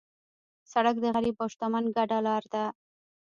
سړک د غریب او شتمن ګډه لار ده.